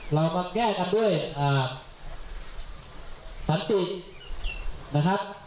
เรามาแก้กันด้วยอ่าศัลจิตนะครับ